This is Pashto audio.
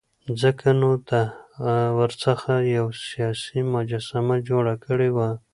ځکه نو ده ورڅخه یوه سیاسي مجسمه جوړه کړې وه.